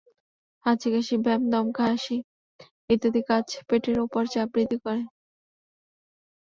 হাঁচি, কাশি, ব্যায়াম, দমকা হাসি ইত্যাদি কাজ পেটের ওপর চাপ বৃদ্ধি করে।